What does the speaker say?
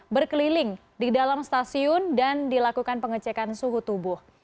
berkeliling di dalam stasiun dan dilakukan pengecekan suhu tubuh